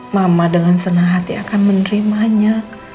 mama dengan senang hati akan menerimanya